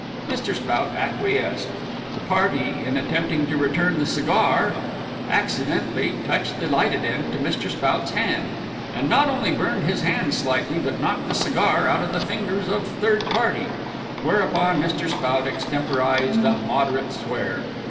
Mr. Spout acquiesced. The party in attempting to return the cigar, accidentally touched the lighted end to Mr. Spout's hand, and not only burned his hand slightly, but knocked the cigar out of the fingers of third party; whereupon, Mr. Spout extemporized a moderate swear.